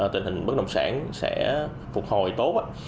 tình hình bất động sản sẽ phục hồi tốt